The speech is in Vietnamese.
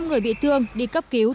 năm người bị thương đi cấp cứu